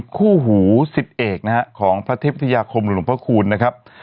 คู่หูสิทธิเอกนะฮะของพระเทพวิทยาคมหรือหลวงพระคูณนะครับ